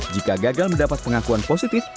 jika gagal mendapat pengakuan positif